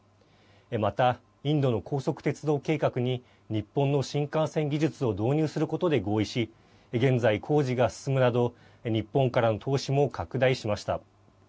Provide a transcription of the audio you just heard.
また、インドの高速鉄道計画に日本の新幹線技術を導入することで合意し現在、工事が進むなど日本からの投資も拡大しました。